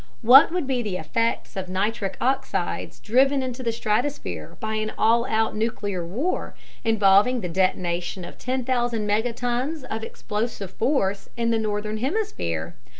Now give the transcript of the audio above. What would be the effects of nitric oxides driven into the stratosphere by an all out nuclear war, involving the detonation of 10,000 megatons of explosive force in the northern hemisphere?